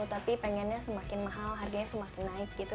tapi pengennya semakin mahal harganya semakin naik gitu